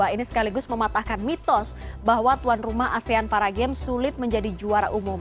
ini sekaligus mematahkan mitos bahwa tuan rumah asean para games sulit menjadi juara umum